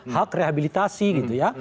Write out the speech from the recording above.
hak rehabilitasi gitu ya